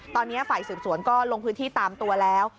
ตอนนี้ฝ่ายสืบสวนก็ลงพื้นที่ตามตัวแล้ว